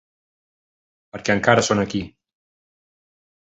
Perquè encara són aquí.